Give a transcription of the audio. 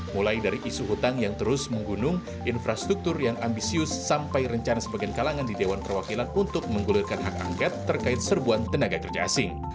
mulai dari isu hutang yang terus menggunung infrastruktur yang ambisius sampai rencana sebagian kalangan di dewan perwakilan untuk menggulirkan hak angket terkait serbuan tenaga kerja asing